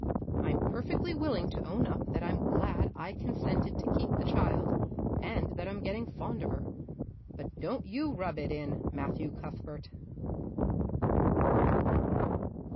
I'm perfectly willing to own up that I'm glad I consented to keep the child and that I'm getting fond of her, but don't you rub it in, Matthew Cuthbert."